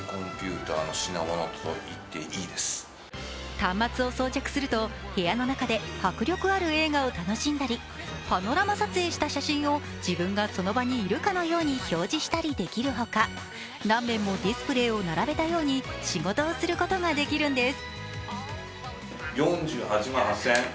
端末を装着すると部屋の中で迫力ある映画を楽しんだりパノラマ撮影した写真を自分がその場にいるかのように表示したりできるほか、何面もディスプレーを並べたように仕事をすることができるんです。